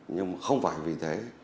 nhưng không phải vì thế